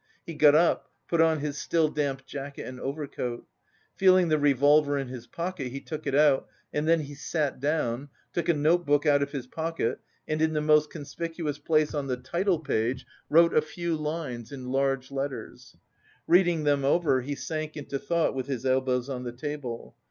He got up, put on his still damp jacket and overcoat. Feeling the revolver in his pocket, he took it out and then he sat down, took a notebook out of his pocket and in the most conspicuous place on the title page wrote a few lines in large letters. Reading them over, he sank into thought with his elbows on the table.